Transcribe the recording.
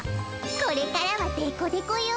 これからはデコデコよ。